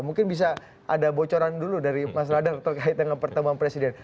mungkin bisa ada bocoran dulu dari mas radar terkait dengan pertemuan presiden